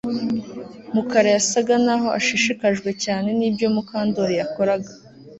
Mukara yasaga naho ashishikajwe cyane nibyo Mukandoli yakoraga